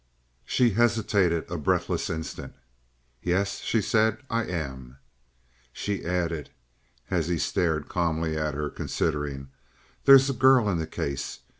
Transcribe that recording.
She hesitated a breathless instant. "Yes," she said. "I am." She added, as he stared calmly at her, considering: "There's a girl in the case.